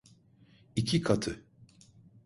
İki katı.